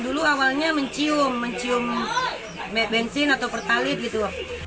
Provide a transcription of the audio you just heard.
dulu awalnya mencium mencium bensin atau pertalit gitu